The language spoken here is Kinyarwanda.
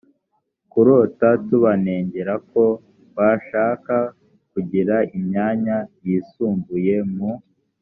kurota tubanengera ko bashaka kugira imyanya yisumbuye mu